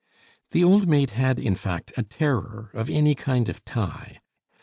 The old maid had, in fact, a terror of any kind of tie.